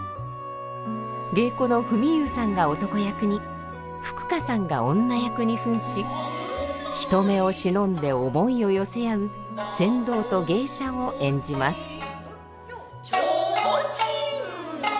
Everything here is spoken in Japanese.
芸妓の富美祐さんが男役にふく佳さんが女役に扮し人目を忍んで思いを寄せ合う船頭と芸者を演じます。